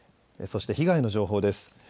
そして被害の情報です。